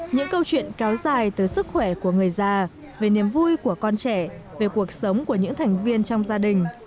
những câu chuyện kéo dài từ sức khỏe của người già về niềm vui của con trẻ về cuộc sống của những thành viên trong gia đình